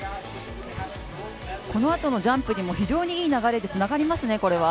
このあとのジャンプにも非常にいい流れでつながりますね。